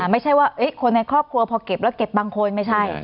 ไม่ใช่ว่าคนในครอบครัวพอเก็บแล้วเก็บบางคนไม่ใช่